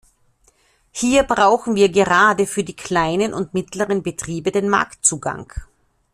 Hier brauchen wir gerade für die kleinen und mittleren Betriebe den Marktzugang.